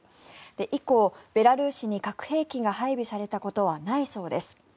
以降、ベラルーシに核兵器が配備されたことはないそうです。